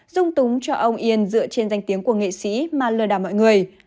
dung túng cho ông yên dựa trên danh tiếng của nghệ sĩ mà lừa đảo mọi người